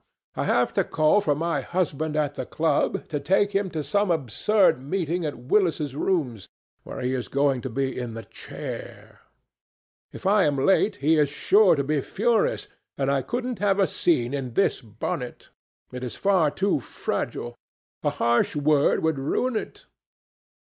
I have to call for my husband at the club, to take him to some absurd meeting at Willis's Rooms, where he is going to be in the chair. If I am late he is sure to be furious, and I couldn't have a scene in this bonnet. It is far too fragile. A harsh word would ruin it.